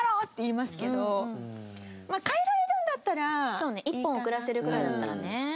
そうね１本遅らせるぐらいだったらね。